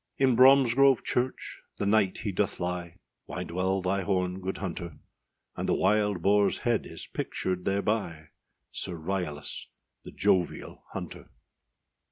In Bromsgrove church, the knight he doth lie, Wind well thy horn, good hunter; And the wild boarâs head is pictured thereby, Sir Ryalas, the jovial hunter.